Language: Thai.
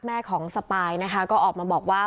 แม่ของสปายนะคะก็ออกมาบอกว่า